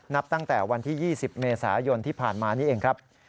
นับตั้งแต่วันที่๒๐เมษายนที่ผ่านมานี้เองครับ